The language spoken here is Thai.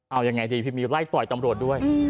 เอายังไงดีพี่มิวไล่ต่อยตำรวจด้วย